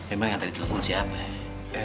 emang yang tadi telepon siapa